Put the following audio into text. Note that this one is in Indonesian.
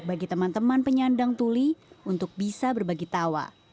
bagi teman teman penyandang tuli untuk bisa berbagi tawa